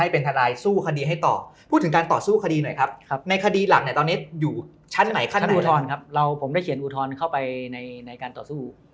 พูดถึงการต่อสู้คดีหน่อยครับในคดีหลักไหนตอนนี้อยู่